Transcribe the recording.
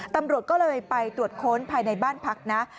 ตำรวจก็เลยไปตรวจค้นภายในบ้านพักนะ